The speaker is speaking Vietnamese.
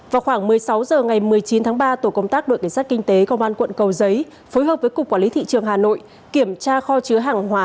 vào khoảng một mươi sáu h ngày một mươi chín tháng ba tổ công tác đội cảnh sát kinh tế công an quận cầu giấy phối hợp với cục quản lý thị trường hà nội kiểm tra kho chứa hàng hóa